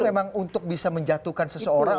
itu memang untuk bisa menjatuhkan seseorang